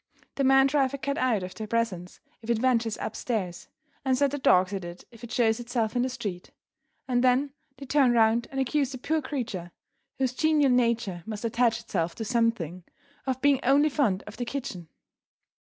The men drive a cat out of their presence if it ventures upstairs, and set their dogs at it if it shows itself in the street and then they turn round and accuse the poor creature (whose genial nature must attach itself to something) of being only fond of the kitchen!"